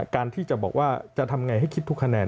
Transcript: การที่จะบอกว่าจะทำไงให้คิดทุกคะแนน